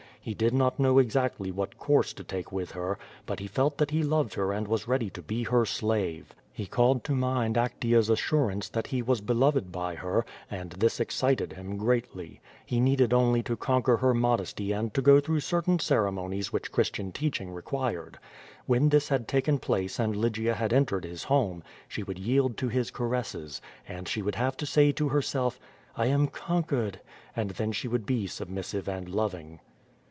He did not know exactly what course to take with her, but he felt that he loved her and was ready to be her slave. He called to mind Actea's assurance that he was beloved by her, and this excited him greatly. He needed only to conquer her modesty and to go through certain ceremonies QUO VADI8. 153 which Christian teaching required. When this had taken place and Lygia had entered his home, she would yield to his caresses, and she would have to say to herself "I am con quered," and then she would be submissive and loving.